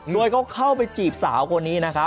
โดยเขาเข้าไปจีบสาวคนนี้นะครับ